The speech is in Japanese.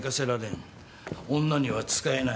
女には使えない。